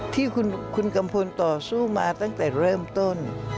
ที่คุณกัมพลต่อสู้มาตั้งแต่เริ่มต้น